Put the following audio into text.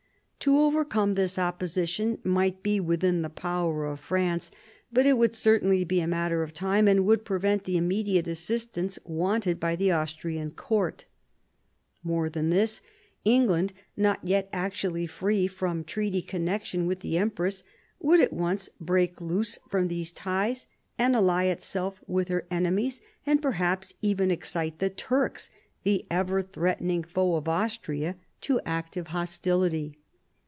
To overcome this opposition might be within the power of France, but it would certainly be a matter of time, and would prevent the immediate assist ance wanted by the Austrian court More than this, England, not yet actually free from treaty connection with the empress, would at once break loose from these ties and ally itself with her enemies, and perhaps even excite the Turks, the ever threatening foe of Austria, 126 MARIA THERESA chap, vi to active hostility.